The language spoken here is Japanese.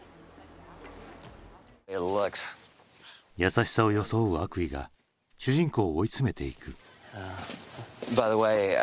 優しさを装う悪意が主人公を追い詰めていく。